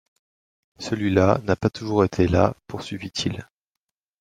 Celui-là n’a pas toujours été là, poursuivit-il.